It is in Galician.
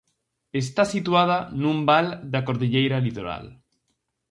Está situada nun val da cordilleira litoral.